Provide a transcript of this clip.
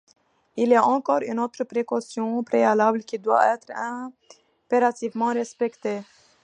Il est encore une autre précaution préalable qui doit être impérativement respectée.